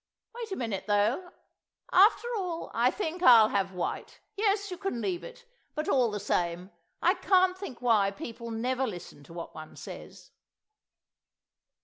Wait a minute, though; after all, I think I'll have white. ... Yes, you can leave it; but all the same, I can't think why people never listen to what one says."